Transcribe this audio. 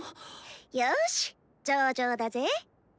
よし上々だぜ。